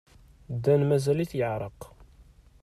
Dan mazal-it yeɛreq.